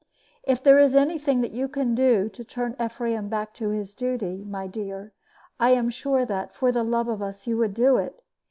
"If there is any thing that you can do to turn Ephraim back to his duty, my dear, I am sure that, for love of us, you will do it.